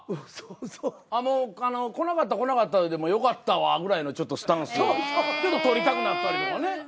そうそう。来なかったら来なかったでよかったわぐらいのちょっとスタンスを取りたくなったりとかね。